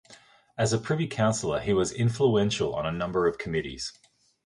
As a Privy Councillor he was influential on a number of committees.